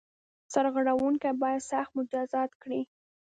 سرغړوونکي باید سخت مجازات کړي.